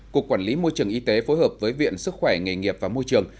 cục quản lý môi trường y tế phối hợp với viện sức khỏe nghề nghiệp và môi trường